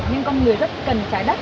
nhưng con người rất cần trái đất